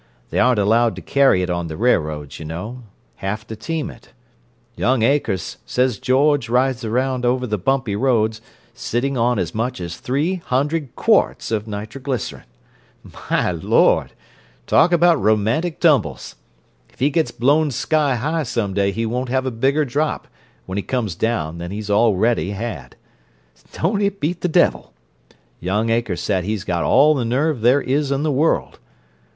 They aren't allowed to carry it on the railroads, you know—have to team it. Young Akers says George rides around over the bumpy roads, sitting on as much as three hundred quarts of nitroglycerin! My Lord! Talk about romantic tumbles! If he gets blown sky high some day he won't have a bigger drop, when he comes down, than he's already had! Don't it beat the devil! Young Akers said he's got all the nerve there is in the world.